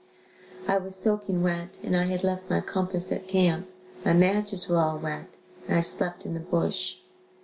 I was soaking wet and I had left my compass at camp, my matches were all wet and I slept in the bush.